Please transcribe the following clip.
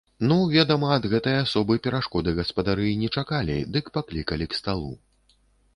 Ну, ведама, ад гэтай асобы перашкоды гаспадары не чакалі, дык паклікалі к сталу.